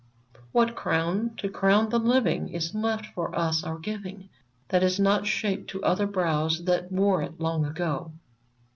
What crown to crown the living Is left us for our giving, That is not shaped to other brows That wore it long ago